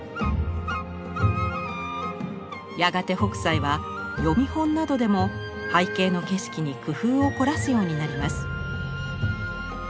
やがて北斎は読本などでも背景の景色に工夫を凝らすようになります。